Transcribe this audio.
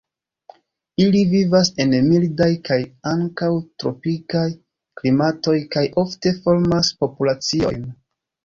Ili vivas en mildaj kaj ankaŭ tropikaj klimatoj kaj ofte formas populaciojn.